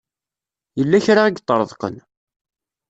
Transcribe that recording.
Yella kra i iṭṭreḍqen.